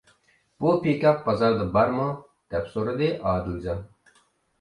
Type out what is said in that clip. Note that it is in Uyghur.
بۇ پىكاپ بازاردا بارمۇ؟ -دەپ سورىدى ئادىلجان.